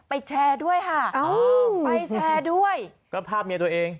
แชร์ด้วยค่ะอ๋อไปแชร์ด้วยก็ภาพเมียตัวเอง